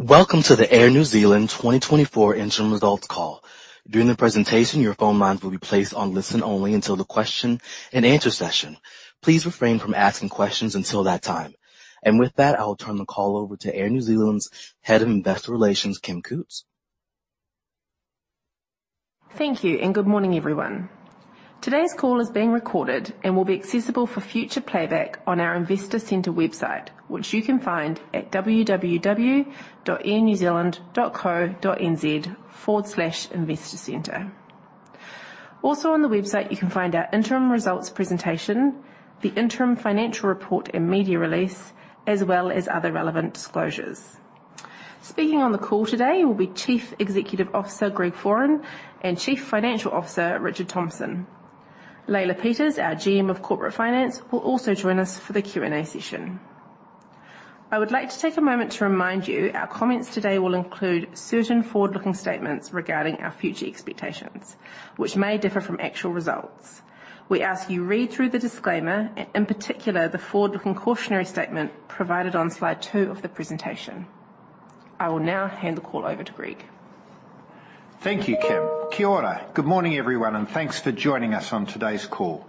Welcome to the Air New Zealand 2024 interim results call. During the presentation, your phone lines will be placed on listen-only until the question-and-answer session. Please refrain from asking questions until that time. With that, I will turn the call over to Air New Zealand's Head of Investor Relations, Kim Cootes Thank you, and good morning, everyone. Today's call is being recorded and will be accessible for future playback on our Investor Centre website, which you can find at www.airnewzealand.co.nz/investorcentre. Also on the website, you can find our interim results presentation, the interim financial report and media release, as well as other relevant disclosures. Speaking on the call today will be Chief Executive Officer Greg Foran and Chief Financial Officer Richard Thomson. Leila Peters, our GM of Corporate Finance, will also join us for the Q&A session. I would like to take a moment to remind you our comments today will include certain forward-looking statements regarding our future expectations, which may differ from actual results. We ask you read through the disclaimer, and in particular the forward-looking cautionary statement provided on slide two of the presentation. I will now hand the call over to Greg. Thank you, Kim. Kai ora, good morning, everyone, and thanks for joining us on today's call.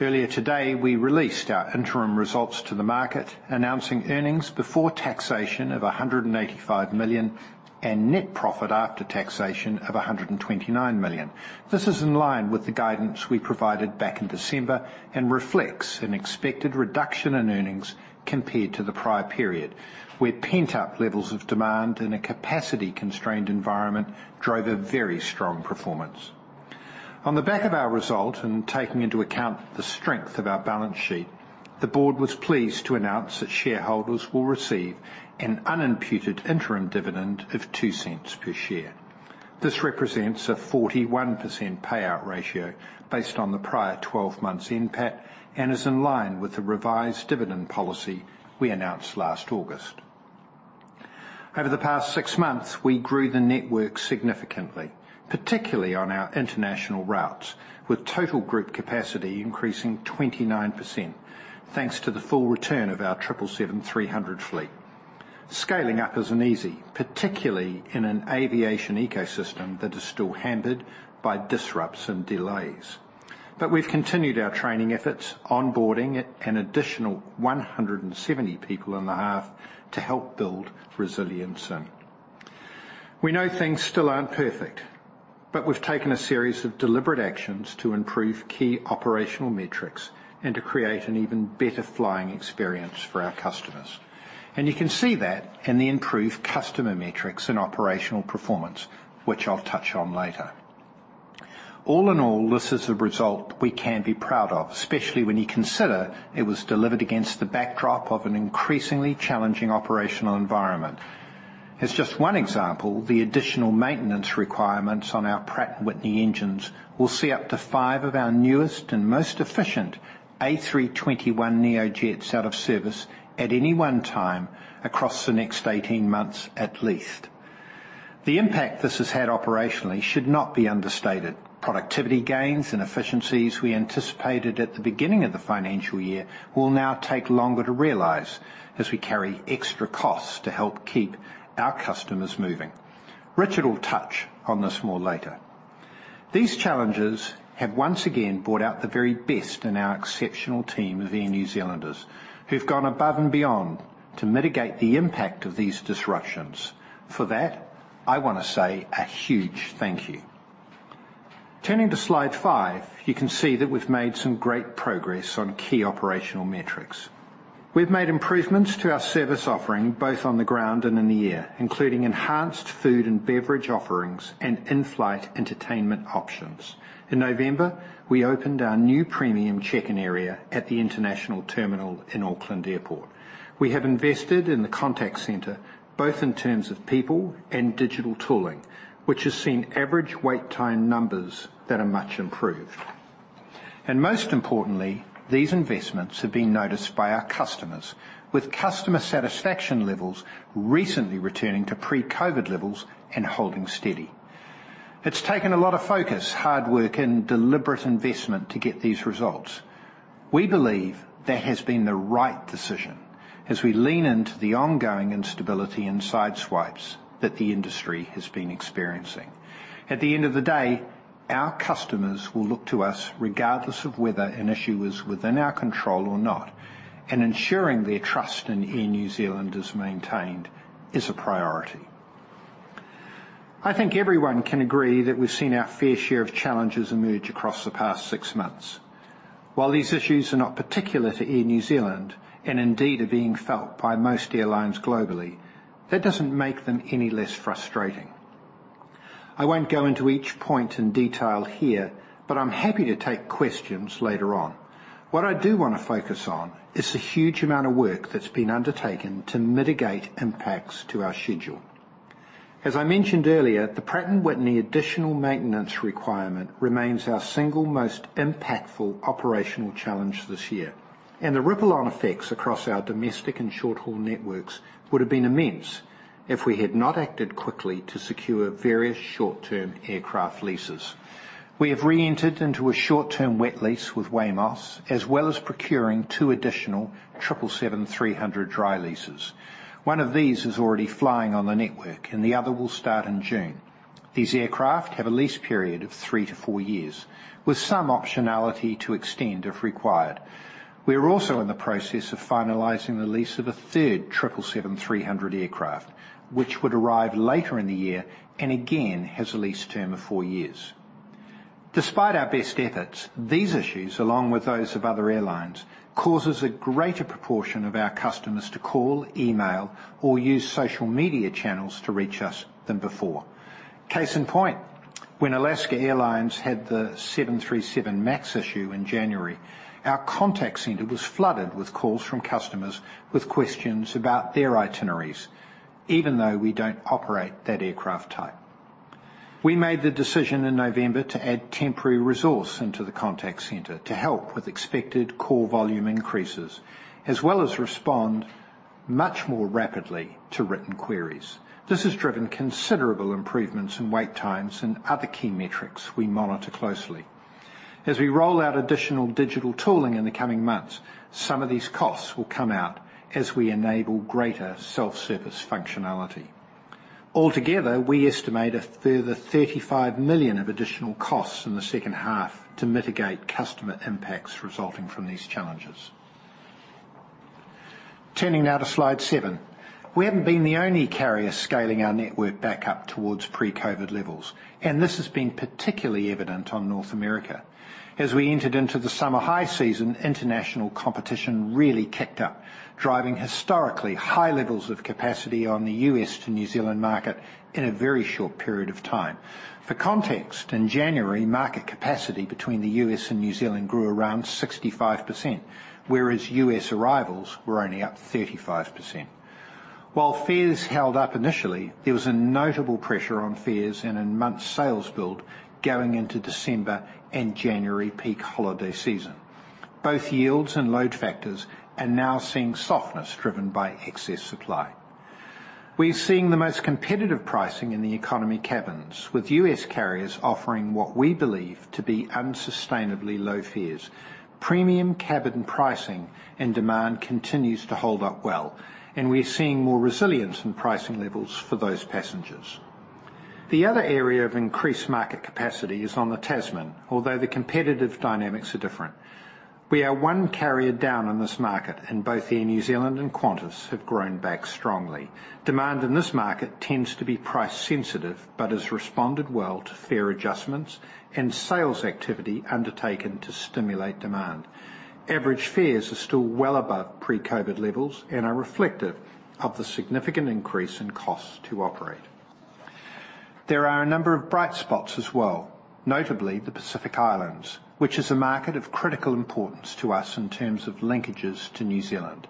Earlier today, we released our interim results to the market, announcing earnings before taxation of 185 million and net profit after taxation of 129 million. This is in line with the guidance we provided back in December and reflects an expected reduction in earnings compared to the prior period, where pent-up levels of demand in a capacity-constrained environment drove a very strong performance. On the back of our result and taking into account the strength of our balance sheet, the board was pleased to announce that shareholders will receive an unimputed interim dividend of 0.02 per share. This represents a 41% payout ratio based on the prior 12 months' NPAT and is in line with the revised dividend policy we announced last August. Over the past six months, we grew the network significantly, particularly on our international routes, with total group capacity increasing 29% thanks to the full return of our 777-300 fleet. Scaling up isn't easy, particularly in an aviation ecosystem that is still hampered by disruptions and delays. But we've continued our training efforts, onboarding an additional 170 people in the half to help build resilience in. We know things still aren't perfect, but we've taken a series of deliberate actions to improve key operational metrics and to create an even better flying experience for our customers. And you can see that in the improved customer metrics and operational performance, which I'll touch on later. All in all, this is a result we can be proud of, especially when you consider it was delivered against the backdrop of an increasingly challenging operational environment. As just one example, the additional maintenance requirements on our Pratt & Whitney engines will see up to five of our newest and most efficient A321neo jets out of service at any one time across the next 18 months at least. The impact this has had operationally should not be understated. Productivity gains and efficiencies we anticipated at the beginning of the financial year will now take longer to realize as we carry extra costs to help keep our customers moving. Richard will touch on this more later. These challenges have once again brought out the very best in our exceptional team of Air New Zealanders, who've gone above and beyond to mitigate the impact of these disruptions. For that, I want to say a huge thank you. Turning to slide five, you can see that we've made some great progress on key operational metrics. We've made improvements to our service offering both on the ground and in the air, including enhanced food and beverage offerings and in-flight entertainment options. In November, we opened our new premium check-in area at the international terminal in Auckland Airport. We have invested in the contact center, both in terms of people and digital tooling, which has seen average wait time numbers that are much improved. Most importantly, these investments have been noticed by our customers, with customer satisfaction levels recently returning to pre-COVID levels and holding steady. It's taken a lot of focus, hard work, and deliberate investment to get these results. We believe there has been the right decision as we lean into the ongoing instability and sideswipes that the industry has been experiencing. At the end of the day, our customers will look to us regardless of whether an issue is within our control or not, and ensuring their trust in Air New Zealand maintained is a priority. I think everyone can agree that we've seen our fair share of challenges emerge across the past six months. While these issues are not particular to Air New Zealand and indeed are being felt by most airlines globally, that doesn't make them any less frustrating. I won't go into each point in detail here, but I'm happy to take questions later on. What I do want to focus on is the huge amount of work that's been undertaken to mitigate impacts to our schedule. As I mentioned earlier, the Pratt & Whitney additional maintenance requirement remains our single most impactful operational challenge this year, and the ripple-on effects across our domestic and short-haul networks would have been immense if we had not acted quickly to secure various short-term aircraft leases. We have re-entered into a short-term wet lease with Wamos, as well as procuring two additional 777-300 dry leases. One of these is already flying on the network, and the other will start in June. These aircraft have a lease period of 3-four years, with some optionality to extend if required. We are also in the process of finalizing the lease of a third 777-300 aircraft, which would arrive later in the year and again has a lease term of four years. Despite our best efforts, these issues, along with those of other airlines, cause a greater proportion of our customers to call, email, or use social media channels to reach us than before. Case in point, when Alaska Airlines had the 737 MAX issue in January, our contact center was flooded with calls from customers with questions about their itineraries, even though we don't operate that aircraft type. We made the decision in November to add temporary resource into the contact center to help with expected call volume increases, as well as respond much more rapidly to written queries. This has driven considerable improvements in wait times and other key metrics we monitor closely. As we roll out additional digital tooling in the coming months, some of these costs will come out as we enable greater self-service functionality. Altogether, we estimate a further 35 million of additional costs in the second half to mitigate customer impacts resulting from these challenges. Turning now to slide 7, we haven't been the only carrier scaling our network back up towards pre-COVID levels, and this has been particularly evident on North America. As we entered into the summer high season, international competition really kicked up, driving historically high levels of capacity on the U.S. to New Zealand market in a very short period of time. For context, in January, market capacity between the U.S. and New Zealand grew around 65%, whereas U.S. arrivals were only up 35%. While fares held up initially, there was a notable pressure on fares and on months' sales build going into December and January peak holiday season. Both yields and load factors are now seeing softness driven by excess supply. We're seeing the most competitive pricing in the economy cabins, with U.S. carriers offering what we believe to be unsustainably low fares. Premium cabin pricing and demand continues to hold up well, and we're seeing more resilience in pricing levels for those passengers. The other area of increased market capacity is on the Tasman, although the competitive dynamics are different. We are one carrier down in this market, and both Air New Zealand and Qantas have grown back strongly. Demand in this market tends to be price-sensitive but has responded well to fare adjustments and sales activity undertaken to stimulate demand. Average fares are still well above pre-COVID levels and are reflective of the significant increase in costs to operate. There are a number of bright spots as well, notably the Pacific Islands, which is a market of critical importance to us in terms of linkages to New Zealand.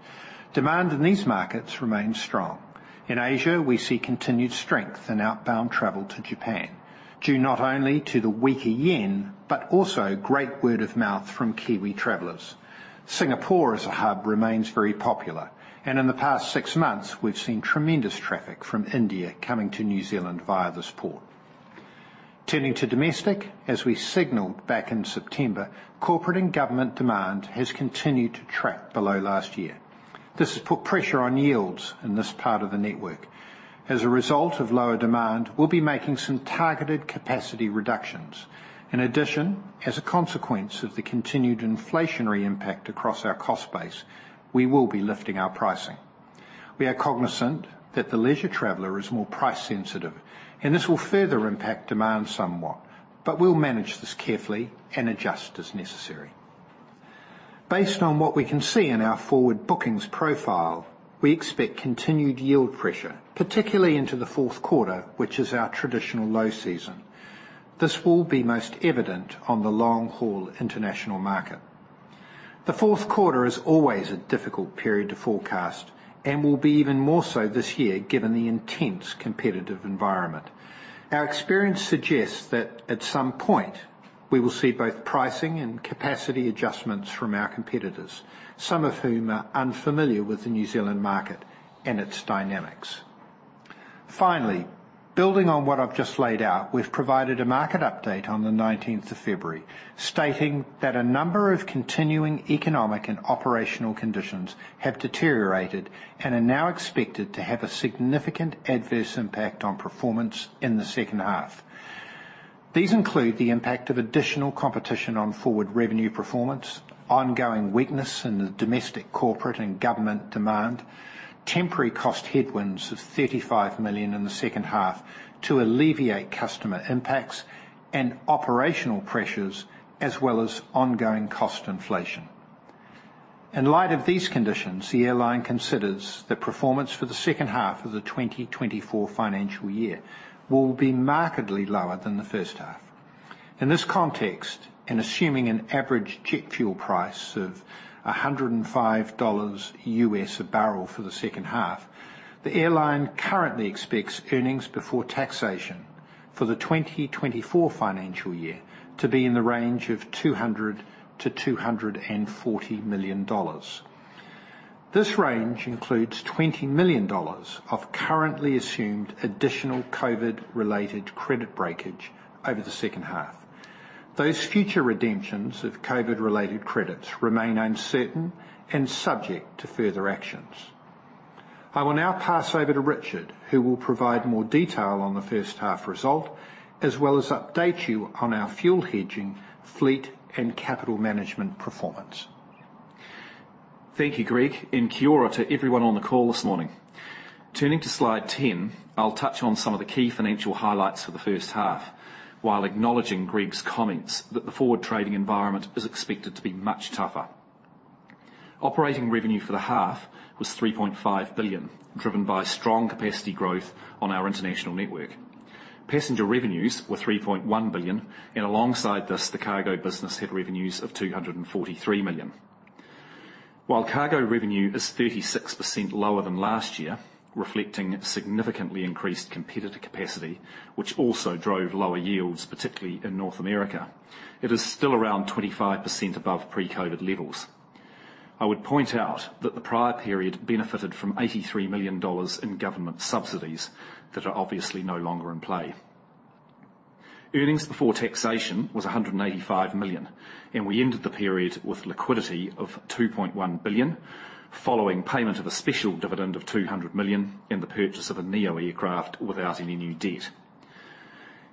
Demand in these markets remains strong. In Asia, we see continued strength in outbound travel to Japan, due not only to the weaker yen but also great word-of-mouth from Kiwi travelers. Singapore as a hub remains very popular, and in the past six months, we've seen tremendous traffic from India coming to New Zealand via this port. Turning to domestic, as we signaled back in September, corporate and government demand has continued to track below last year. This has put pressure on yields in this part of the network. As a result of lower demand, we'll be making some targeted capacity reductions. In addition, as a consequence of the continued inflationary impact across our cost base, we will be lifting our pricing. We are cognizant that the leisure traveler is more price-sensitive, and this will further impact demand somewhat, but we'll manage this carefully and adjust as necessary. Based on what we can see in our forward bookings profile, we expect continued yield pressure, particularly into the fourth quarter, which is our traditional low season. This will be most evident on the long-haul international market. The fourth quarter is always a difficult period to forecast and will be even more so this year given the intense competitive environment. Our experience suggests that at some point, we will see both pricing and capacity adjustments from our competitors, some of whom are unfamiliar with the New Zealand market and its dynamics. Finally, building on what I've just laid out, we've provided a market update on the 19th of February, stating that a number of continuing economic and operational conditions have deteriorated and are now expected to have a significant adverse impact on performance in the second half. These include the impact of additional competition on forward revenue performance, ongoing weakness in the domestic, corporate, and government demand, temporary cost headwinds of 35 million in the second half to alleviate customer impacts, and operational pressures as well as ongoing cost inflation. In light of these conditions, the airline considers that performance for the second half of the 2024 financial year will be markedly lower than the first half. In this context, and assuming an average jet fuel price of $105 US a barrel for the second half, the airline currently expects earnings before taxation for the 2024 financial year to be in the range of 200 million-240 million dollars. This range includes 20 million dollars of currently assumed additional COVID-related credit breakage over the second half. Those future redemptions of COVID-related credits remain uncertain and subject to further actions. I will now pass over to Richard, who will provide more detail on the first half result as well as update you on our fuel hedging fleet and capital management performance. Thank you, Greg, and kia ora to everyone on the call this morning. Turning to slide 10, I'll touch on some of the key financial highlights for the first half while acknowledging Greg's comments that the forward trading environment is expected to be much tougher. Operating revenue for the half was 3.5 billion, driven by strong capacity growth on our international network. Passenger revenues were 3.1 billion, and alongside this, the cargo business had revenues of 243 million. While cargo revenue is 36% lower than last year, reflecting significantly increased competitor capacity, which also drove lower yields, particularly in North America, it is still around 25% above pre-COVID levels. I would point out that the prior period benefited from 83 million dollars in government subsidies that are obviously no longer in play. Earnings before taxation was 185 million, and we ended the period with liquidity of 2.1 billion, following payment of a special dividend of 200 million and the purchase of a Neo aircraft without any new debt.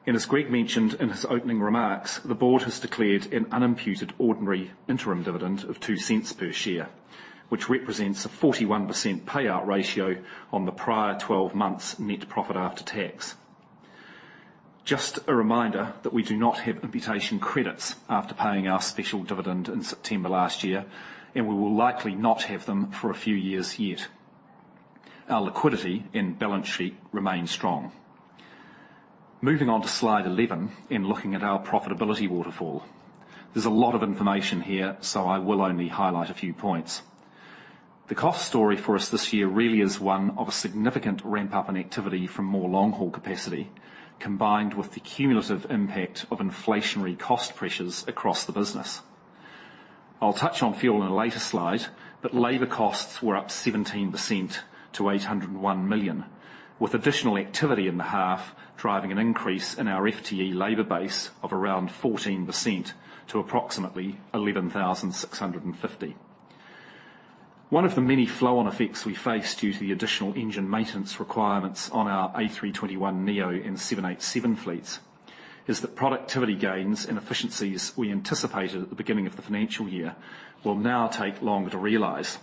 As Greg mentioned in his opening remarks, the board has declared an unimputed ordinary interim dividend of 0.02 per share, which represents a 41% payout ratio on the prior 12 months' net profit after tax. Just a reminder that we do not have imputation credits after paying our special dividend in September last year, and we will likely not have them for a few years yet. Our liquidity and balance sheet remain strong. Moving on to slide 11 and looking at our profitability waterfall, there's a lot of information here, so I will only highlight a few points. The cost story for us this year really is one of a significant ramp-up in activity from more long-haul capacity, combined with the cumulative impact of inflationary cost pressures across the business. I'll touch on fuel in a later slide, but labor costs were up 17% to 801 million, with additional activity in the half driving an increase in our FTE labor base of around 14% to approximately 11,650. One of the many flow-on effects we faced due to the additional engine maintenance requirements on our A321neo and 787 fleets is that productivity gains and efficiencies we anticipated at the beginning of the financial year will now take longer to realize.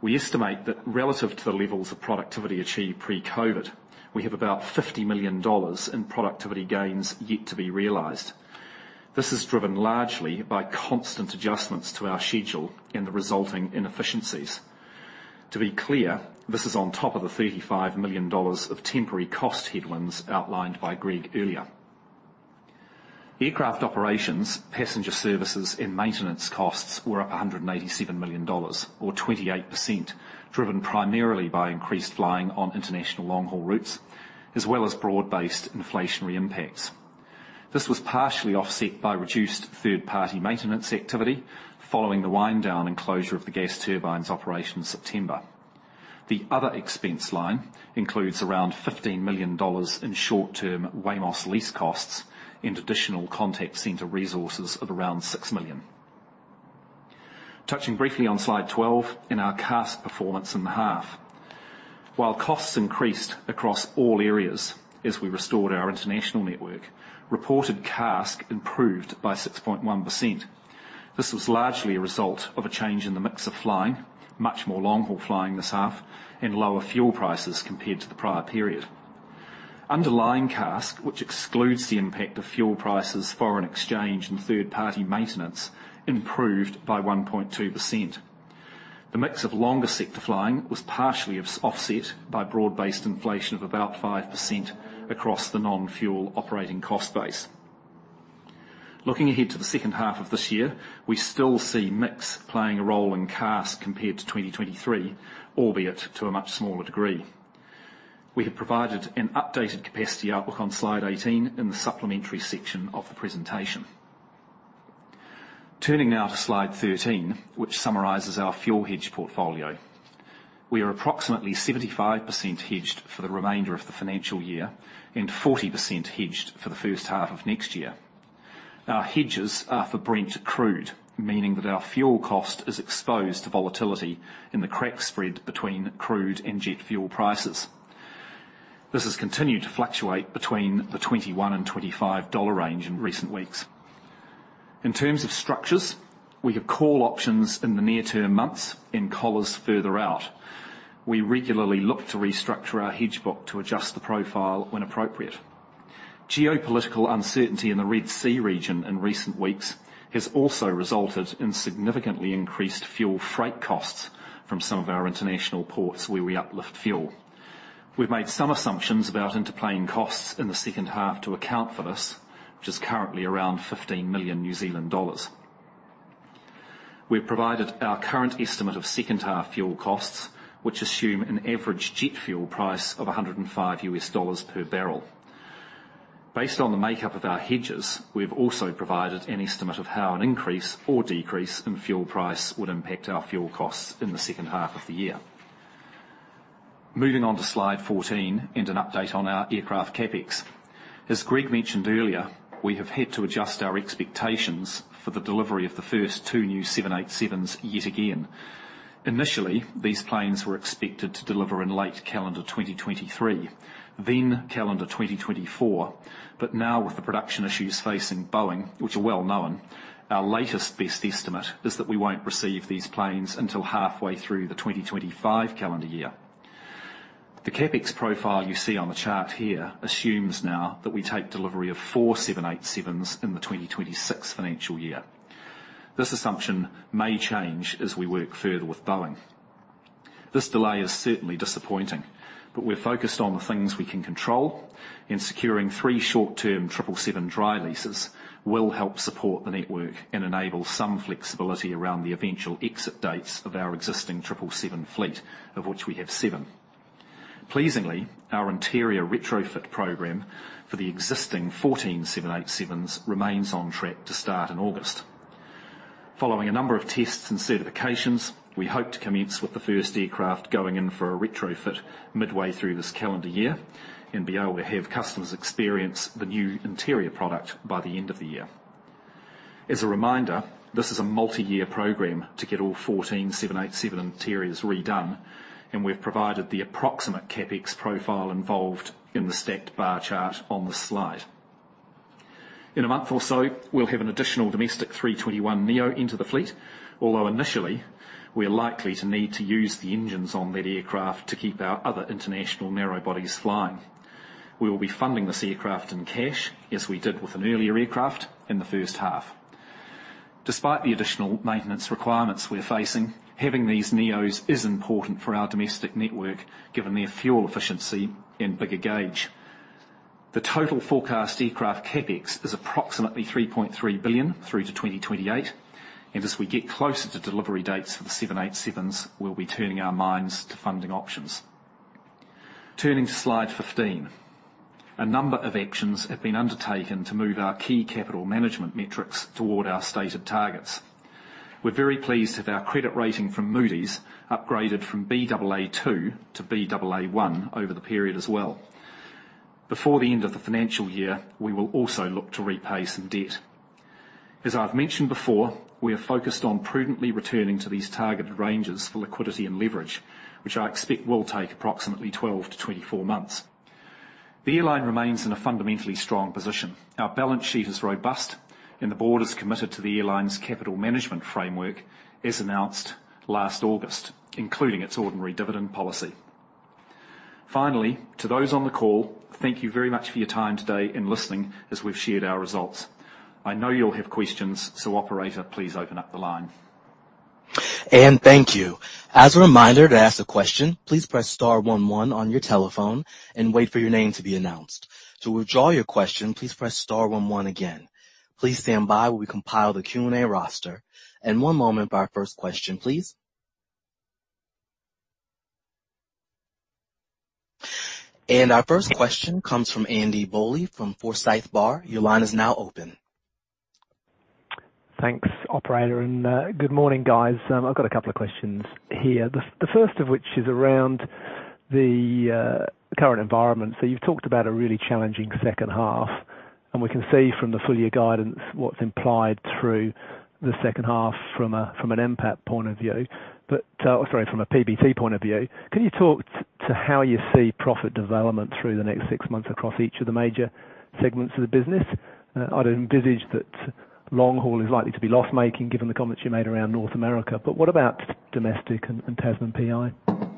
We estimate that relative to the levels of productivity achieved pre-COVID, we have about 50 million dollars in productivity gains yet to be realized. This is driven largely by constant adjustments to our schedule and the resulting inefficiencies. To be clear, this is on top of the 35 million dollars of temporary cost headwinds outlined by Greg earlier. Aircraft operations, passenger services, and maintenance costs were up 187 million dollars, or 28%, driven primarily by increased flying on international long-haul routes as well as broad-based inflationary impacts. This was partially offset by reduced third-party maintenance activity following the wind-down and closure of the Gas Turbines operation in September. The other expense line includes around 15 million dollars in short-term Wamos lease costs and additional contact center resources of around 6 million. Touching briefly on slide 12 and our CASK performance in the half, while costs increased across all areas as we restored our international network, reported CASK improved by 6.1%. This was largely a result of a change in the mix of flying, much more long-haul flying this half, and lower fuel prices compared to the prior period. Underlying CASK, which excludes the impact of fuel prices, foreign exchange, and third-party maintenance, improved by 1.2%. The mix of longer sector flying was partially offset by broad-based inflation of about 5% across the non-fuel operating cost base. Looking ahead to the second half of this year, we still see mix playing a role in CASK compared to 2023, albeit to a much smaller degree. We have provided an updated capacity outlook on slide 18 in the supplementary section of the presentation. Turning now to slide 13, which summarizes our fuel hedge portfolio, we are approximately 75% hedged for the remainder of the financial year and 40% hedged for the first half of next year. Our hedges are for Brent crude, meaning that our fuel cost is exposed to volatility in the crack spread between crude and jet fuel prices. This has continued to fluctuate between the $21-$25 range in recent weeks. In terms of structures, we have call options in the near-term months and collars further out. We regularly look to restructure our hedge book to adjust the profile when appropriate. Geopolitical uncertainty in the Red Sea region in recent weeks has also resulted in significantly increased fuel freight costs from some of our international ports where we uplift fuel. We've made some assumptions about interplane costs in the second half to account for this, which is currently around 15 million New Zealand dollars. We've provided our current estimate of second-half fuel costs, which assume an average jet fuel price of $105 per barrel. Based on the makeup of our hedges, we've also provided an estimate of how an increase or decrease in fuel price would impact our fuel costs in the second half of the year. Moving on to slide 14 and an update on our aircraft CapEx, as Greg mentioned earlier, we have had to adjust our expectations for the delivery of the first two new 787s yet again. Initially, these planes were expected to deliver in late calendar 2023, then calendar 2024, but now, with the production issues facing Boeing, which are well-known, our latest best estimate is that we won't receive these planes until halfway through the 2025 calendar year. The CapEx profile you see on the chart here assumes now that we take delivery of four 787s in the 2026 financial year. This assumption may change as we work further with Boeing. This delay is certainly disappointing, but we're focused on the things we can control, and securing 3 short-term 777 dry leases will help support the network and enable some flexibility around the eventual exit dates of our existing 777 fleet, of which we have 7. Pleasingly, our interior retrofit program for the existing 14 787s remains on track to start in August. Following a number of tests and certifications, we hope to commence with the first aircraft going in for a retrofit midway through this calendar year and be able to have customers experience the new interior product by the end of the year. As a reminder, this is a multi-year program to get all 14 787 interiors redone, and we've provided the approximate CapEx profile involved in the stacked bar chart on this slide. In a month or so, we'll have an additional domestic A321neo into the fleet, although initially, we're likely to need to use the engines on that aircraft to keep our other international narrowbodies flying. We will be funding this aircraft in cash, as we did with an earlier aircraft in the first half. Despite the additional maintenance requirements we're facing, having these neos is important for our domestic network given their fuel efficiency and bigger gauge. The total forecast aircraft CapEx is approximately 3.3 billion through to 2028, and as we get closer to delivery dates for the 787s, we'll be turning our minds to funding options. Turning to slide 15, a number of actions have been undertaken to move our key capital management metrics toward our stated targets. We're very pleased to have our credit rating from Moody's upgraded from Baa2 to Baa1 over the period as well. Before the end of the financial year, we will also look to repay some debt. As I've mentioned before, we are focused on prudently returning to these targeted ranges for liquidity and leverage, which I expect will take approximately 12-24 months. The airline remains in a fundamentally strong position. Our balance sheet is robust, and the board is committed to the airline's capital management framework, as announced last August, including its ordinary dividend policy. Finally, to those on the call, thank you very much for your time today and listening as we've shared our results. I know you'll have questions, so operator, please open up the line. Anne, thank you. As a reminder, to ask a question, please press star one one on your telephone and wait for your name to be announced. To withdraw your question, please press star one one again. Please stand by while we compile the Q&A roster. One moment for our first question, please. Our first question comes from Andy Bowley from Forsyth Barr. Your line is now open. Thanks, operator. Good morning, guys. I've got a couple of questions here, the first of which is around the current environment. So you've talked about a really challenging second half, and we can see from the full-year guidance what's implied through the second half from an NPAT point of view, but sorry, from a PBT point of view. Can you talk to how you see profit development through the next six months across each of the major segments of the business? I'd envisage that long-haul is likely to be loss-making given the comments you made around North America, but what about domestic and Tasman PI?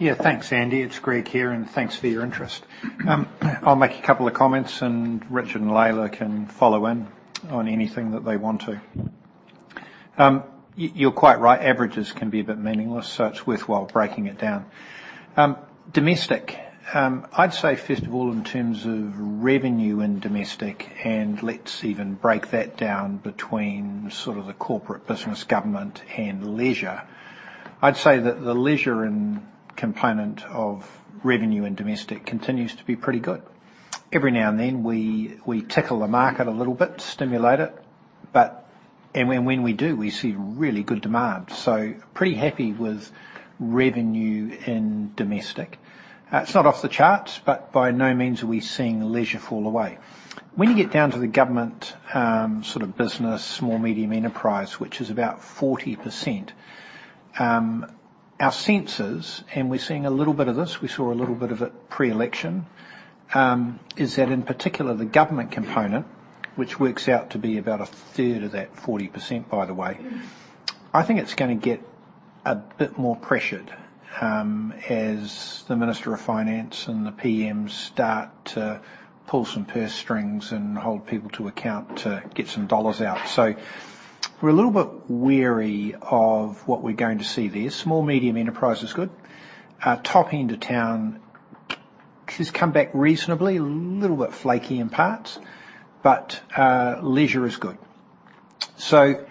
Yeah, thanks, Andy. It's Greg here, and thanks for your interest. I'll make a couple of comments, and Richard and Leila can follow in on anything that they want to. You're quite right, averages can be a bit meaningless, so it's worthwhile breaking it down. Domestic, I'd say, first of all, in terms of revenue in domestic, and let's even break that down between sort of the corporate business, government, and leisure, I'd say that the leisure component of revenue in domestic continues to be pretty good. Every now and then, we tickle the market a little bit, stimulate it, and when we do, we see really good demand. So pretty happy with revenue in domestic. It's not off the charts, but by no means are we seeing leisure fall away. When you get down to the government sort of business, small, medium enterprise, which is about 40%, our senses, and we're seeing a little bit of this. We saw a little bit of it pre-election. It is that, in particular, the government component, which works out to be about 1/3 of that 40%, by the way, I think it's going to get a bit more pressured as the Minister of Finance and the PMs start to pull some purse strings and hold people to account to get some dollars out. So we're a little bit wary of what we're going to see there. Small, medium enterprise is good. Top end of town has come back reasonably, a little bit flaky in parts, but leisure is good. So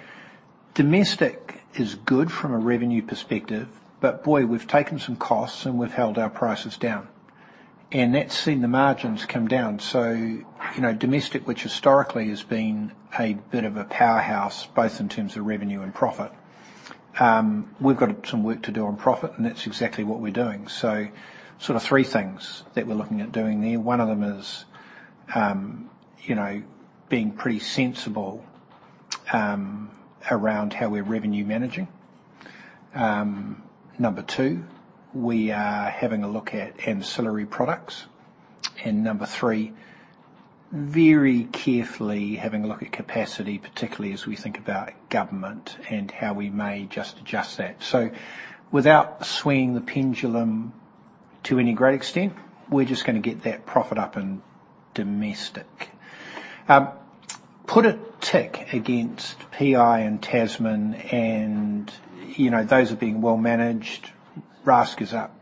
domestic is good from a revenue perspective, but boy, we've taken some costs and we've held our prices down, and that's seen the margins come down. So domestic, which historically has been a bit of a powerhouse both in terms of revenue and profit, we've got some work to do on profit, and that's exactly what we're doing. So sort of three things that we're looking at doing there. One of them is being pretty sensible around how we're revenue managing. Number two, we are having a look at ancillary products. And number three, very carefully having a look at capacity, particularly as we think about government and how we may just adjust that. So without swaying the pendulum to any great extent, we're just going to get that profit up in domestic. Put a tick against PI and Tasman, and those are being well-managed. RASK is up.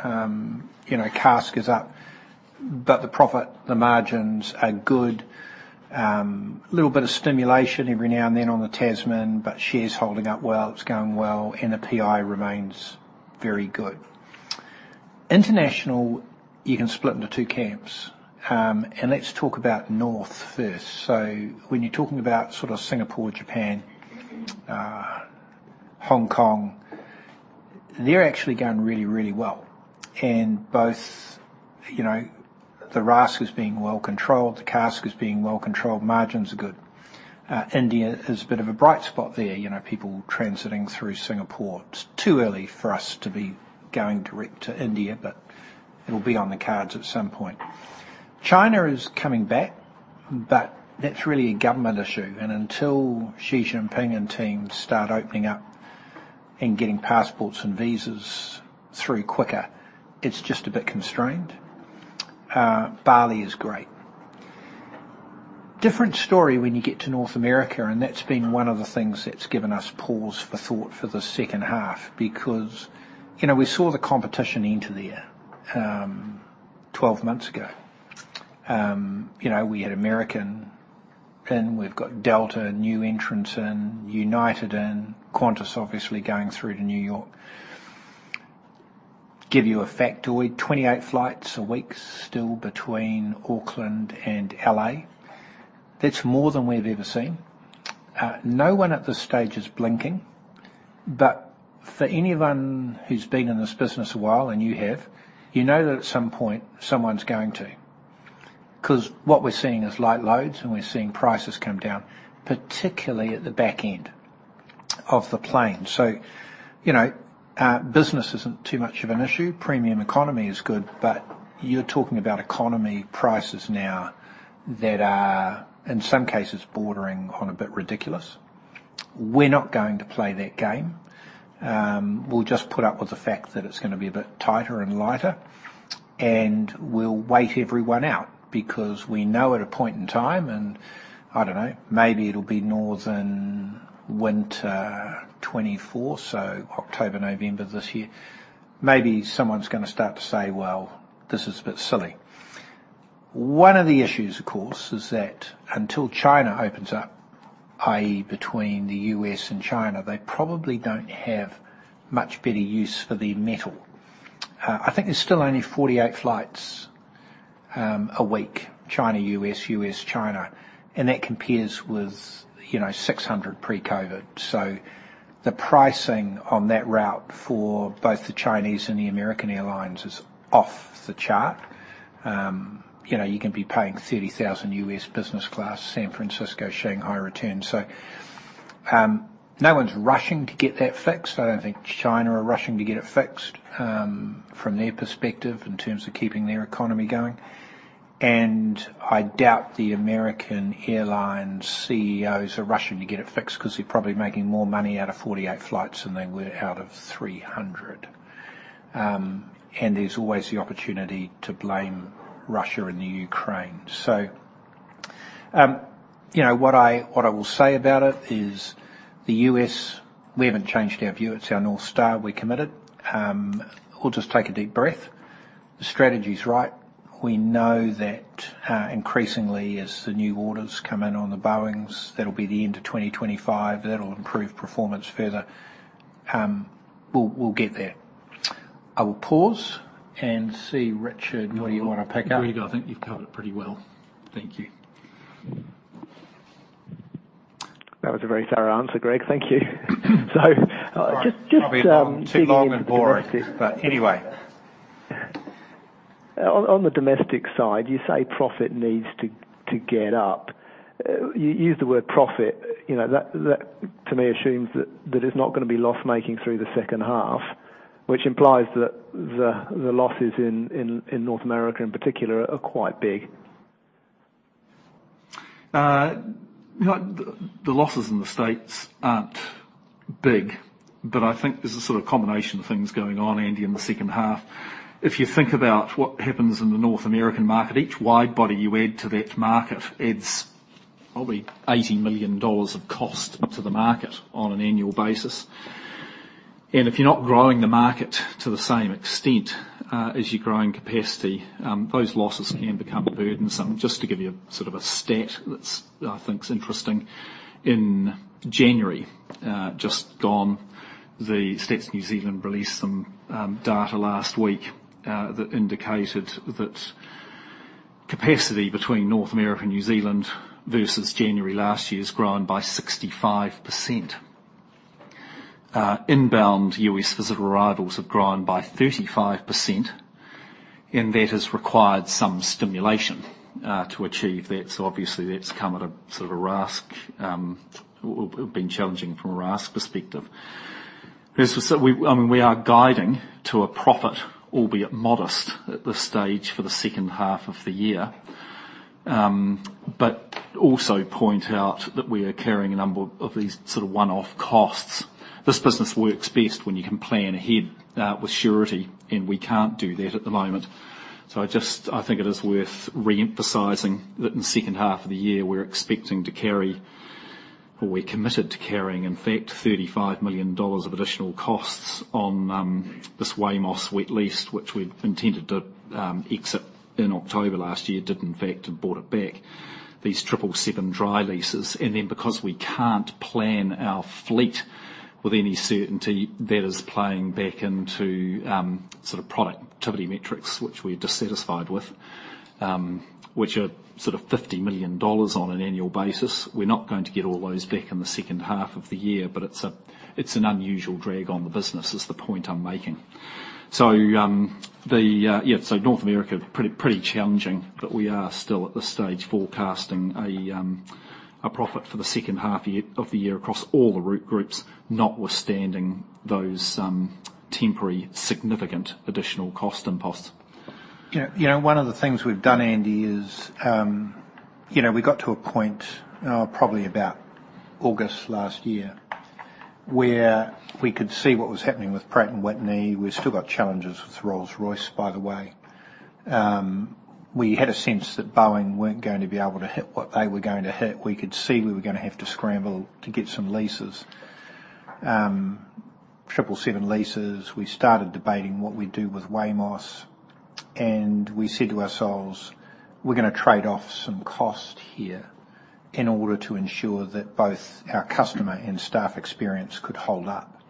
CASK is up, but the profit, the margins are good. A little bit of stimulation every now and then on the Tasman, but shares holding up well. It's going well, and the PI remains very good. International, you can split into two camps. Let's talk about north first. So when you're talking about sort of Singapore, Japan, Hong Kong, they're actually going really, really well. And both the RASK is being well-controlled, the CASK is being well-controlled, margins are good. India is a bit of a bright spot there, people transiting through Singapore. It's too early for us to be going direct to India, but it'll be on the cards at some point. China is coming back, but that's really a government issue. And until Xi Jinping and team start opening up and getting passports and visas through quicker, it's just a bit constrained. Bali is great. Different story when you get to North America, and that's been one of the things that's given us pause for thought for the second half because we saw the competition enter there 12 months ago. We had American, and we've got Delta, new entrance in, United in, Qantas obviously going through to New York. Give you a factoid, 28 flights a week still between Auckland and L.A. That's more than we've ever seen. No one at this stage is blinking, but for anyone who's been in this business a while and you have, you know that at some point someone's going to because what we're seeing is light loads, and we're seeing prices come down, particularly at the back end of the plane. So business isn't too much of an issue. Premium economy is good, but you're talking about economy prices now that are, in some cases, bordering on a bit ridiculous. We're not going to play that game. We'll just put up with the fact that it's going to be a bit tighter and lighter, and we'll wait everyone out because we know at a point in time (and I don't know, maybe it'll be northern winter 2024, so October, November this year) maybe someone's going to start to say, "Well, this is a bit silly." One of the issues, of course, is that until China opens up, i.e., between the U.S. and China, they probably don't have much better use for their metal. I think there's still only 48 flights a week, China-U.S., U.S.-China, and that compares with 600 pre-COVID. So the pricing on that route for both the Chinese and the American airlines is off the chart. You can be paying $30,000 business class, San Francisco, Shanghai return. So no one's rushing to get that fixed. I don't think China are rushing to get it fixed from their perspective in terms of keeping their economy going. And I doubt the American airline CEOs are rushing to get it fixed because they're probably making more money out of 48 flights than they were out of 300. And there's always the opportunity to blame Russia and the Ukraine. So what I will say about it is the U.S., we haven't changed our view. It's our North Star. We're committed. We'll just take a deep breath. The strategy's right. We know that increasingly, as the new orders come in on the Boeings, that'll be the end of 2025. That'll improve performance further. We'll get there. I will pause and see, Richard, what do you want to pick up? There you go. I think you've covered it pretty well. Thank you. That was a very thorough answer, Greg. Thank you. Just too long and boring. I'll be on too long and boring. But anyway. On the domestic side, you say profit needs to get up. You use the word profit. That, to me, assumes that it's not going to be loss-making through the second half, which implies that the losses in North America, in particular, are quite big. No. The losses in the States aren't big, but I think there's a sort of combination of things going on, Andy, in the second half. If you think about what happens in the North American market, each widebody you add to that market adds, probably, $80 million of cost to the market on an annual basis. And if you're not growing the market to the same extent as you're growing capacity, those losses can become burdensome. Just to give you sort of a stat that I think's interesting, in January, just gone, the States and New Zealand released some data last week that indicated that capacity between North America and New Zealand versus January last year has grown by 65%. Inbound U.S. visitor arrivals have grown by 35%, and that has required some stimulation to achieve that. So obviously, that's come at a sort of a RASK; it would have been challenging from a RASK perspective. I mean, we are guiding to a profit, albeit modest, at this stage for the second half of the year, but also point out that we are carrying a number of these sort of one-off costs. This business works best when you can plan ahead with surety, and we can't do that at the moment. So I think it is worth re-emphasising that in the second half of the year, we're expecting to carry, or we're committed to carrying, in fact, NZD 35 million of additional costs on this Wamos wet lease, which we intended to exit in October last year, did in fact and bought it back, these triple seven dry leases. Because we can't plan our fleet with any certainty, that is playing back into sort of productivity metrics, which we're dissatisfied with, which are sort of 50 million dollars on an annual basis. We're not going to get all those back in the second half of the year, but it's an unusual drag on the business, is the point I'm making. So yeah, so North America, pretty challenging, but we are still at this stage forecasting a profit for the second half of the year across all the route groups, notwithstanding those temporary significant additional cost imposts. One of the things we've done, Andy, is we got to a point, probably about August last year, where we could see what was happening with Pratt & Whitney. We've still got challenges with Rolls-Royce, by the way. We had a sense that Boeing weren't going to be able to hit what they were going to hit. We could see we were going to have to scramble to get some leases, triple seven leases. We started debating what we'd do with Wamos, and we said to ourselves, "We're going to trade off some cost here in order to ensure that both our customer and staff experience could hold up."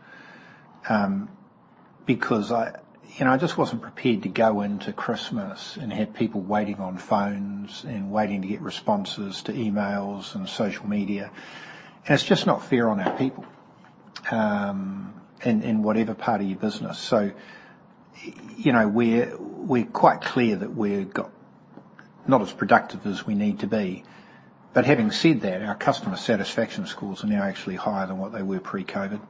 Because I just wasn't prepared to go into Christmas and have people waiting on phones and waiting to get responses to emails and social media. It's just not fair on our people in whatever part of your business. We're quite clear that we're not as productive as we need to be. But having said that, our customer satisfaction scores are now actually higher than what they were pre-COVID.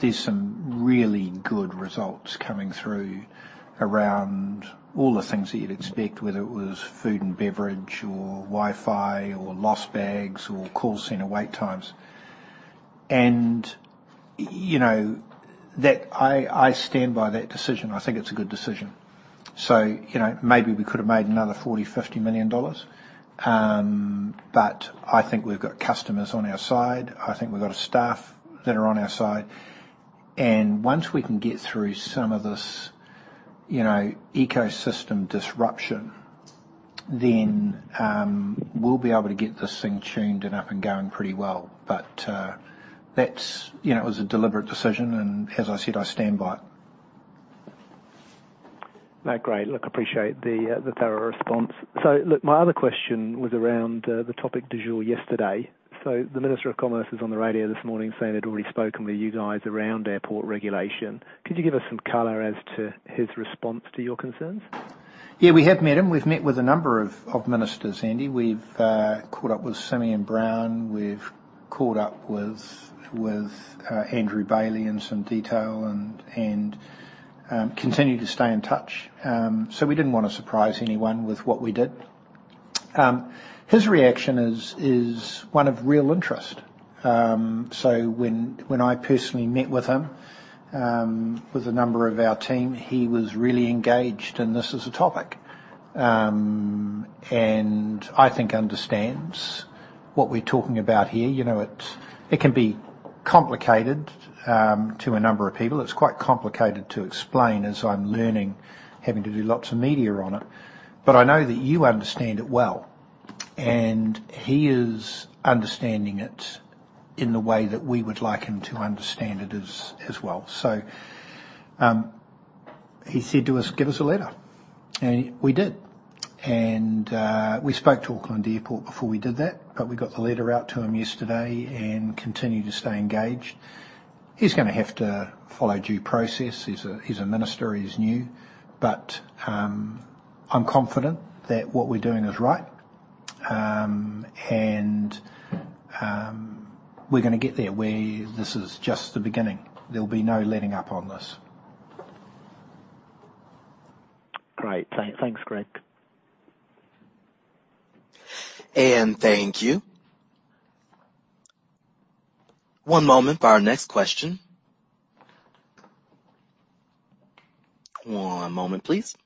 There's some really good results coming through around all the things that you'd expect, whether it was food and beverage or Wi-Fi or lost bags or call center wait times. I stand by that decision. I think it's a good decision. Maybe we could have made another 40 million-50 million dollars, but I think we've got customers on our side. I think we've got a staff that are on our side. Once we can get through some of this ecosystem disruption, then we'll be able to get this thing tuned and up and going pretty well. It was a deliberate decision, and as I said, I stand by it. No, great. Look, appreciate the thorough response. So look, my other question was around the topic issue yesterday. So the Minister of Commerce is on the radio this morning saying he'd already spoken with you guys around airport regulation. Could you give us some color as to his response to your concerns? Yeah, we have met him. We've met with a number of ministers, Andy. We've caught up with Simeon Brown. We've caught up with Andrew Bowley in some detail and continue to stay in touch. So we didn't want to surprise anyone with what we did. His reaction is one of real interest. So when I personally met with him, with a number of our team, he was really engaged in, "This is a topic," and I think understands what we're talking about here. It can be complicated to a number of people. It's quite complicated to explain as I'm learning, having to do lots of media on it. But I know that you understand it well, and he is understanding it in the way that we would like him to understand it as well. So he said to us, "Give us a letter." And we did. We spoke to Auckland Airport before we did that, but we got the letter out to him yesterday and continue to stay engaged. He's going to have to follow due process. He's a minister. He's new. But I'm confident that what we're doing is right, and we're going to get there where this is just the beginning. There'll be no letting up on this. Great. Thanks, Greg. Thank you. One moment for our next question. One moment, please.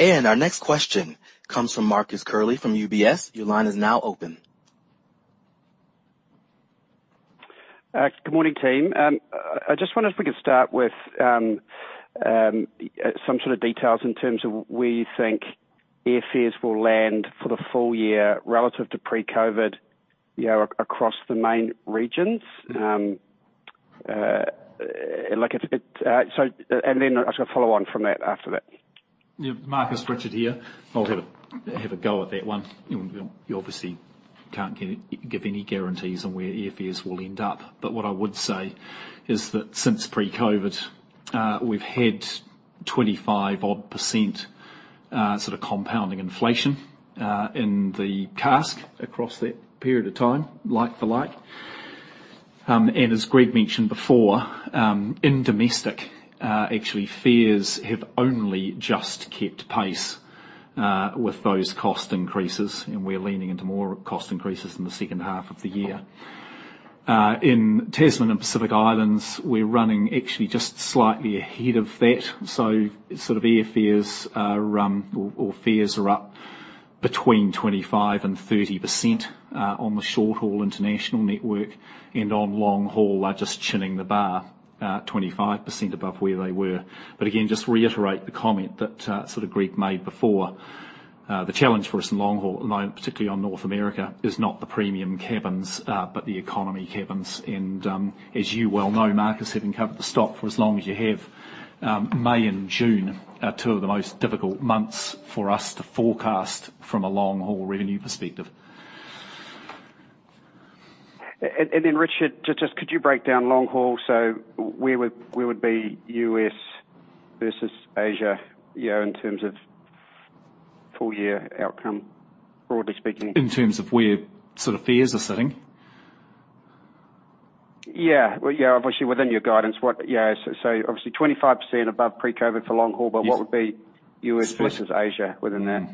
Our next question comes from Marcus Curley from UBS. Your line is now open. Good morning, team. I just wonder if we could start with some sort of details in terms of where you think airfares will land for the full year relative to pre-COVID across the main regions? And then I'm just going to follow on from that after that. Yeah. Marcus, Richard here. I'll have a go at that one. You obviously can't give any guarantees on where airfares will end up. But what I would say is that since pre-COVID, we've had 25-odd% sort of compounding inflation in the CASK across that period of time, like for like. And as Greg mentioned before, in domestic, actually, fares have only just kept pace with those cost increases, and we're leaning into more cost increases in the second half of the year. In Tasman and Pacific Islands, we're running actually just slightly ahead of that. So sort of airfares or fares are up between 25%-30% on the short-haul international network, and on long-haul, they're just chinning the bar, 25% above where they were. But again, just reiterate the comment that sort of Greg made before. The challenge for us in long-haul at the moment, particularly on North America, is not the premium cabins but the economy cabins. As you well know, Marcus having covered the stock for as long as you have, May and June are two of the most difficult months for us to forecast from a long-haul revenue perspective. And then, Richard, just could you break down long-haul so where would be U.S. versus Asia in terms of full-year outcome, broadly speaking? In terms of where sort of fares are sitting? Yeah. Obviously, within your guidance, so obviously, 25% above pre-COVID for long-haul, but what would be U.S. versus Asia within that?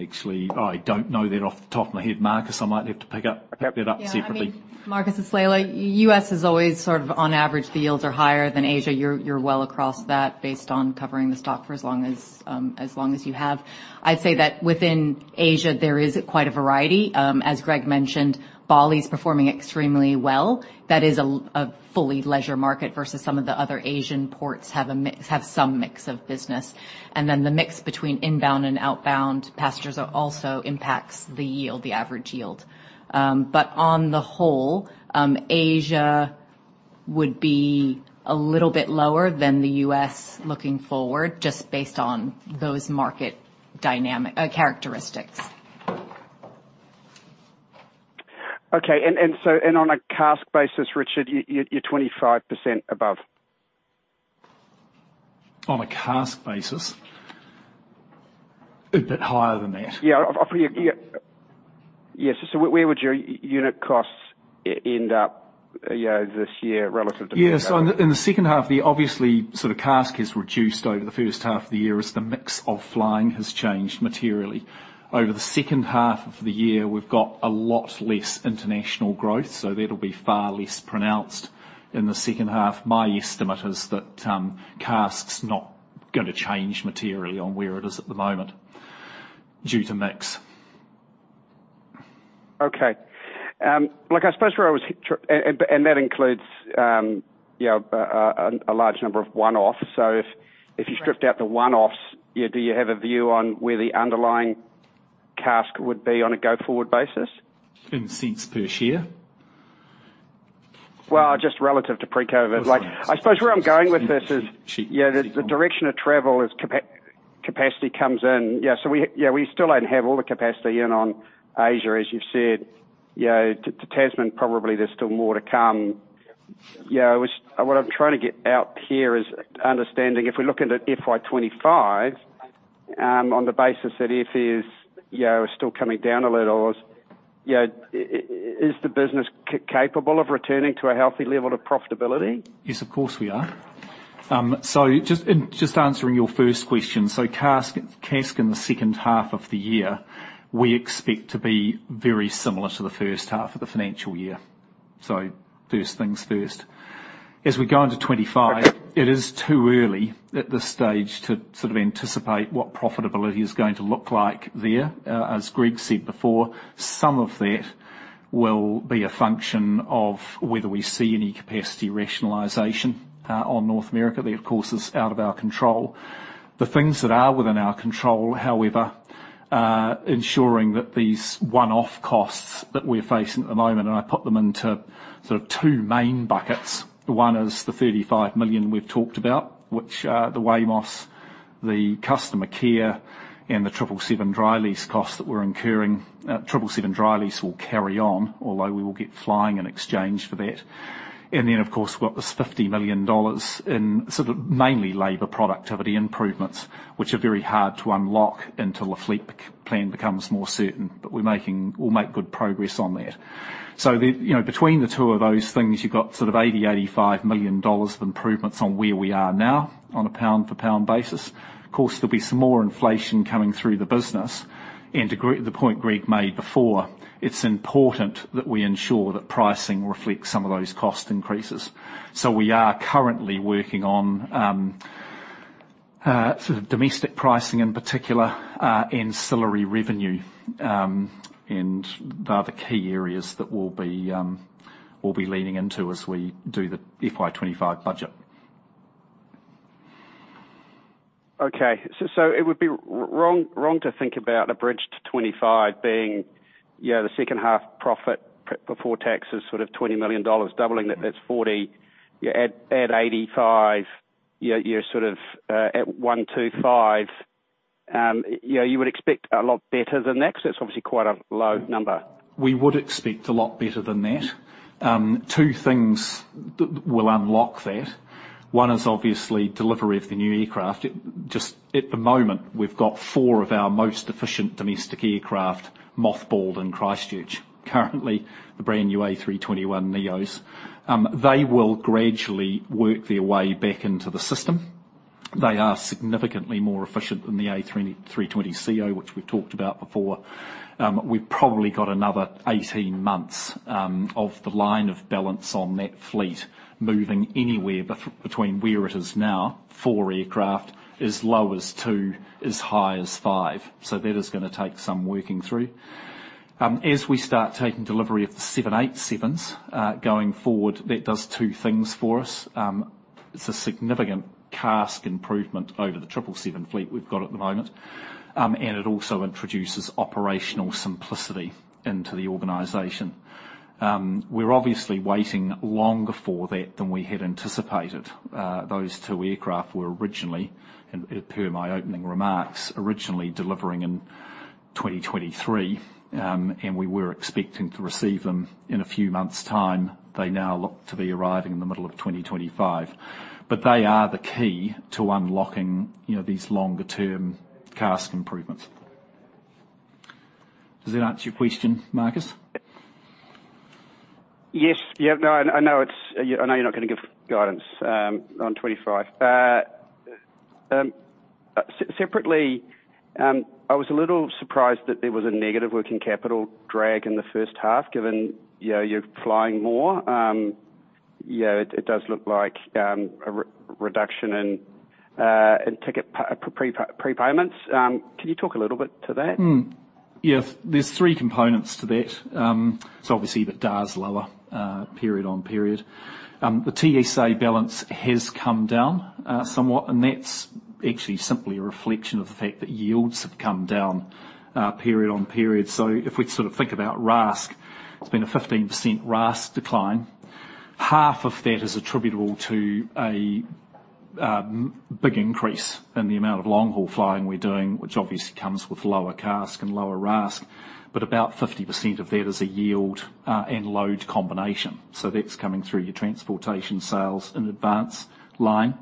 Actually, I don't know that off the top of my head, Marcus. I might have to pick that up separately. Yeah. Marcus, it's Leila. U.S. is always sort of on average, the yields are higher than Asia. You're well across that based on covering the stock for as long as you have. I'd say that within Asia, there is quite a variety. As Greg mentioned, Bali's performing extremely well. That is a fully leisure market versus some of the other Asian ports have some mix of business. And then the mix between inbound and outbound passengers also impacts the yield, the average yield. But on the whole, Asia would be a little bit lower than the U.S. looking forward, just based on those market characteristics. Okay. On a CASK basis, Richard, you're 25% above. On a CASK basis, a bit higher than that. Yeah. Yes. So, where would your unit costs end up this year relative to pre-COVID? Yeah. So in the second half of the year, obviously, sort of CASK has reduced over the first half of the year as the mix of flying has changed materially. Over the second half of the year, we've got a lot less international growth, so that'll be far less pronounced in the second half. My estimate is that CASK's not going to change materially on where it is at the moment due to mix. Okay. Look, I suppose where I was and that includes a large number of one-offs. So if you stripped out the one-offs, do you have a view on where the underlying CASK would be on a go-forward basis? In cents per share? Well, just relative to pre-COVID. I suppose where I'm going with this is, yeah, the direction of travel is capacity comes in. Yeah. So yeah, we still don't have all the capacity in on Asia, as you've said. To Tasman, probably, there's still more to come. What I'm trying to get out here is understanding if we look into FY25 on the basis that airfares are still coming down a little, is the business capable of returning to a healthy level of profitability? Yes, of course we are. So just answering your first question, so CASK in the second half of the year, we expect to be very similar to the first half of the financial year, so first things first. As we go into 2025, it is too early at this stage to sort of anticipate what profitability is going to look like there. As Greg said before, some of that will be a function of whether we see any capacity rationalization on North America that, of course, is out of our control. The things that are within our control, however, ensuring that these one-off costs that we're facing at the moment and I put them into sort of two main buckets. One is the 35 million we've talked about, which the Wamos, the customer care, and the triple seven dry lease costs that we're incurring. 777 dry lease will carry on, although we will get flying in exchange for that. And then, of course, we've got this 50 million dollars in sort of mainly labour productivity improvements, which are very hard to unlock until the fleet plan becomes more certain. But we'll make good progress on that. So between the two of those things, you've got sort of 80 million-85 million dollars of improvements on where we are now on a pound-for-pound basis. Of course, there'll be some more inflation coming through the business. And to the point Greg made before, it's important that we ensure that pricing reflects some of those cost increases. So we are currently working on sort of domestic pricing in particular and ancillary revenue. And they're the key areas that we'll be leaning into as we do the FY25 budget. Okay. So it would be wrong to think about a bridge to 2025 being the second half profit before taxes, sort of 20 million dollars doubling. That's 40 million. Add 85 million, you're sort of at 125 million. You would expect a lot better than that because that's obviously quite a low number. We would expect a lot better than that. Two things will unlock that. One is obviously delivery of the new aircraft. At the moment, we've got four of our most efficient domestic aircraft, mothballed in Christchurch, currently the brand new A321neos. They will gradually work their way back into the system. They are significantly more efficient than the A320ceo, which we've talked about before. We've probably got another 18 months of the imbalance on that fleet moving anywhere between where it is now, four aircraft, as low as two, as high as five. So that is going to take some working through. As we start taking delivery of the 787s going forward, that does two things for us. It's a significant CASK improvement over the triple seven fleet we've got at the moment, and it also introduces operational simplicity into the organization. We're obviously waiting longer for that than we had anticipated. Those two aircraft were originally, per my opening remarks, originally delivering in 2023, and we were expecting to receive them in a few months' time. They now look to be arriving in the middle of 2025. But they are the key to unlocking these longer-term CASK improvements. Does that answer your question, Marcus? Yes. Yeah. No, I know you're not going to give guidance on 2025. Separately, I was a little surprised that there was a negative working capital drag in the first half given you're flying more. It does look like a reduction in ticket prepayments. Can you talk a little bit to that? Yes. There's three components to that. So obviously, that DARS lower period-on-period. The TSA balance has come down somewhat, and that's actually simply a reflection of the fact that yields have come down period-on-period. So if we sort of think about RASK, it's been a 15% RASK decline. Half of that is attributable to a big increase in the amount of long-haul flying we're doing, which obviously comes with lower CASK and lower RASK. But about 50% of that is a yield and load combination. So that's coming through your transportation sales in advance line.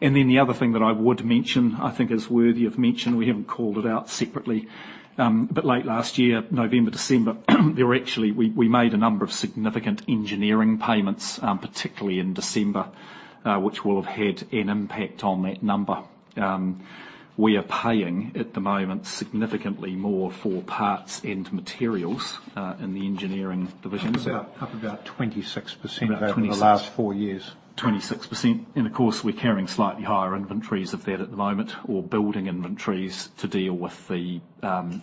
And then the other thing that I would mention, I think it's worthy of mentioning - we haven't called it out separately - but late last year, November, December, we made a number of significant engineering payments, particularly in December, which will have had an impact on that number. We are paying at the moment significantly more for parts and materials in the engineering division. Up about 26% over the last four years. About 26%. And of course, we're carrying slightly higher inventories of that at the moment or building inventories to deal with the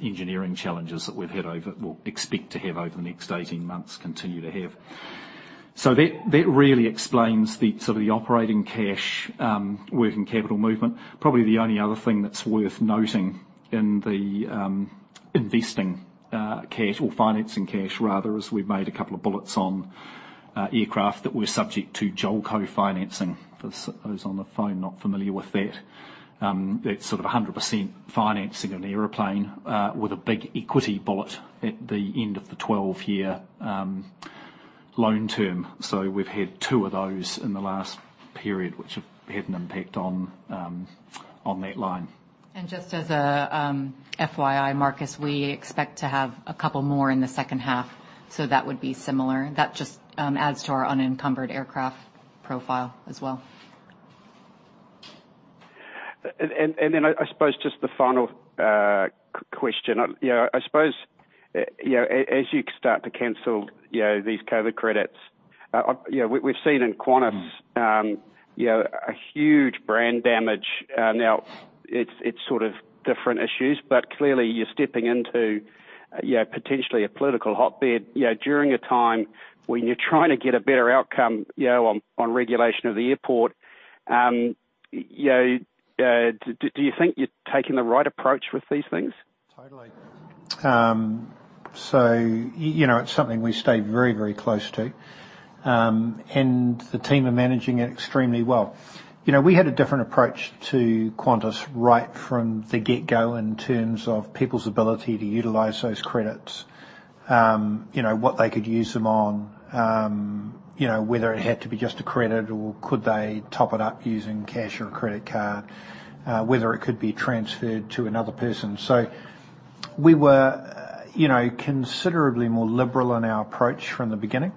engineering challenges that we've had over, well, expect to have over the next 18 months, continue to have. So that really explains sort of the operating cash working capital movement. Probably the only other thing that's worth noting in the investing cash or financing cash, rather, is we've made a couple of bullets on aircraft that were subject to JOLCO financing. For those on the phone not familiar with that, that's sort of 100% financing an airplane with a big equity bullet at the end of the 12-year loan term. So we've had 2 of those in the last period, which have had an impact on that line. Just as a FYI, Marcus, we expect to have a couple more in the second half, so that would be similar. That just adds to our unencumbered aircraft profile as well. Then I suppose just the final question. I suppose as you start to cancel these COVID credits, we've seen in Qantas a huge brand damage. Now, it's sort of different issues, but clearly, you're stepping into potentially a political hotbed during a time when you're trying to get a better outcome on regulation of the airport. Do you think you're taking the right approach with these things? Totally. So it's something we stay very, very close to, and the team are managing it extremely well. We had a different approach to Qantas right from the get-go in terms of people's ability to utilize those credits, what they could use them on, whether it had to be just a credit or could they top it up using cash or a credit card, whether it could be transferred to another person. So we were considerably more liberal in our approach from the beginning.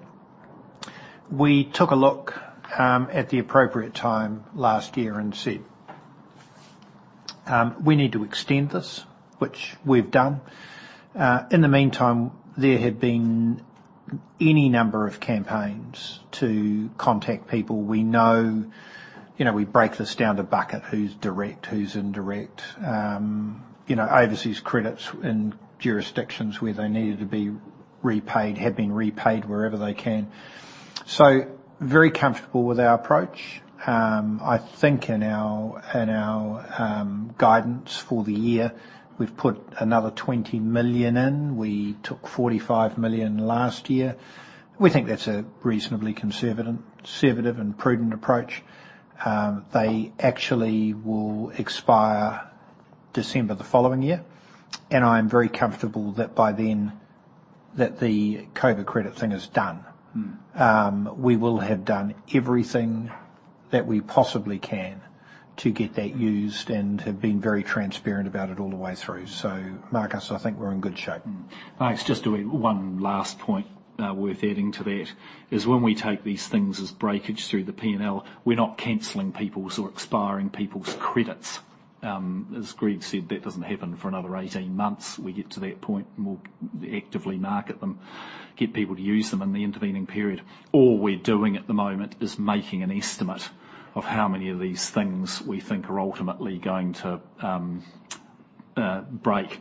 We took a look at the appropriate time last year and said, "We need to extend this," which we've done. In the meantime, there had been any number of campaigns to contact people. We break this down to bucket, who's direct, who's indirect. Overseas credits in jurisdictions where they needed to be repaid have been repaid wherever they can. So very comfortable with our approach. I think in our guidance for the year, we've put another 20 million in. We took 45 million last year. We think that's a reasonably conservative and prudent approach. They actually will expire December the following year, and I'm very comfortable that by then the COVID credit thing is done. We will have done everything that we possibly can to get that used and have been very transparent about it all the way through. So Marcus, I think we're in good shape. Thanks. Just one last point worth adding to that is when we take these things as breakage through the P&L, we're not canceling people's or expiring people's credits. As Greg said, that doesn't happen for another 18 months. We get to that point and we'll actively market them, get people to use them in the intervening period. All we're doing at the moment is making an estimate of how many of these things we think are ultimately going to break.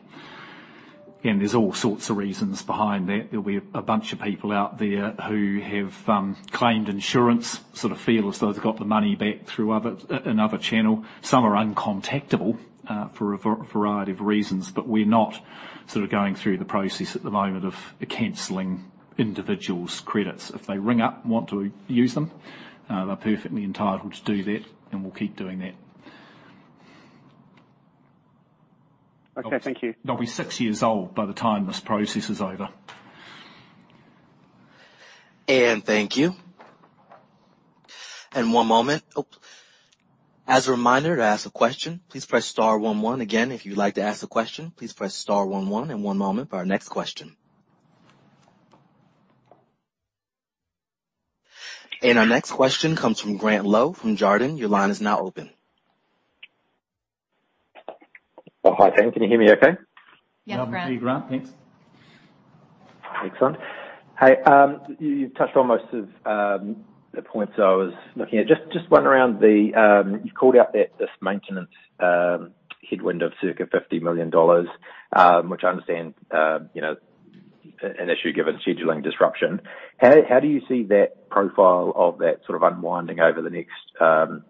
There's all sorts of reasons behind that. There'll be a bunch of people out there who have claimed insurance, sort of feel as though they've got the money back through another channel. Some are uncontactable for a variety of reasons, but we're not sort of going through the process at the moment of cancelling individuals' credits. If they ring up and want to use them, they're perfectly entitled to do that, and we'll keep doing that. Okay. Thank you. They'll be six years old by the time this process is over. Thank you. One moment. Oops. As a reminder to ask a question, please press star one one. Again, if you'd like to ask a question, please press star one one, and one moment for our next question. Our next question comes from Grant Lowe from Jarden. Your line is now open. Hi, thank you. Can you hear me okay? Yes, Grant. Hello, Grant. Thanks. Excellent. Hey, you've touched on most of the points I was looking at. Just wondering around the you've called out this maintenance headwind of circa 50 million dollars, which I understand an issue given scheduling disruption. How do you see that profile of that sort of unwinding over the next wee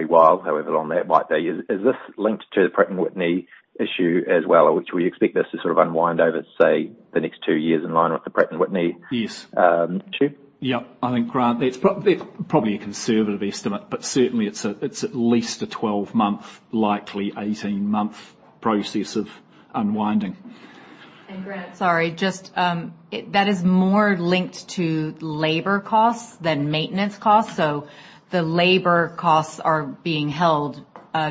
while, however long that might be? Is this linked to the Pratt & Whitney issue as well, which we expect this to sort of unwind over, say, the next two years in line with the Pratt & Whitney issue? Yep. I think, Grant, that's probably a conservative estimate, but certainly, it's at least a 12-month, likely 18-month process of unwinding. And Grant. Sorry. That is more linked to labor costs than maintenance costs. So the labor costs are being held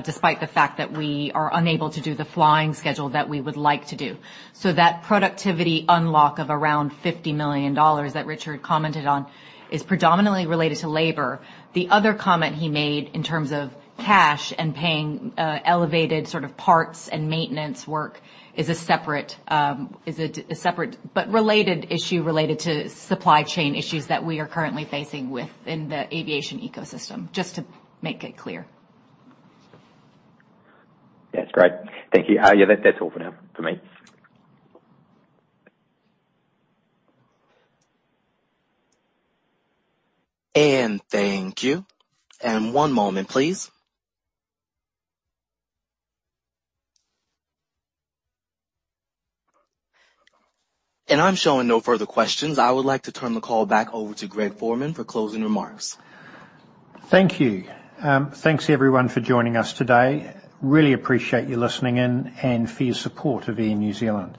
despite the fact that we are unable to do the flying schedule that we would like to do. So that productivity unlock of around 50 million dollars that Richard commented on is predominantly related to labor. The other comment he made in terms of cash and paying elevated sort of parts and maintenance work is a separate but related issue related to supply chain issues that we are currently facing within the aviation ecosystem, just to make it clear. Yes, Grant. Thank you. Yeah, that's all for now from me. Thank you. One moment, please. I'm showing no further questions. I would like to turn the call back over to Greg Foran for closing remarks. Thank you. Thanks, everyone, for joining us today. Really appreciate you listening in and for your support of Air New Zealand.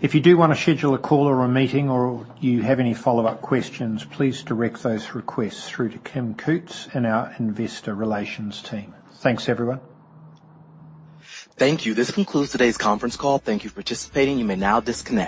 If you do want to schedule a call or a meeting or you have any follow-up questions, please direct those requests through to Kim Cootes in our investor relations team. Thanks, everyone. Thank you. This concludes today's conference call. Thank you for participating. You may now disconnect.